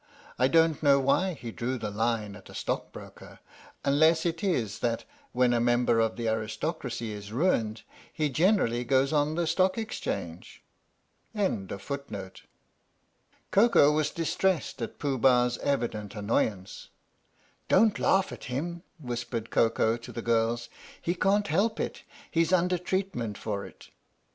* I don't know why he drew the line at a stockbroker, unless it is that when a member of the aristocracy is ruined he generally goes on the Stock Exchange. 44 THE STORY OF THE MIKADO " Don't laugh at him," whispered Koko to the girls. " He can't help it he 's under treatment for it."